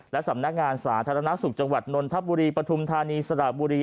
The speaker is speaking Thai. และสำนักงานสาธารณสุขจังหวัดนนทบุรีปฐุมธานีสระบุรี